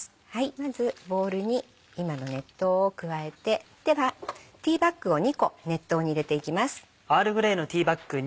まずボウルに今の熱湯を加えてではティーバッグを２個熱湯に入れていきます。